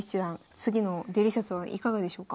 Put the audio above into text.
次のデリシャスはいかがでしょうか？